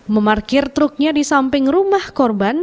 memarkir truknya di samping rumah korban